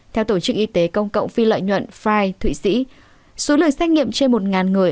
theo tổ chức y tế công cộng phi lợi nhuận fire thụy sĩ số lời xét nghiệm trên một người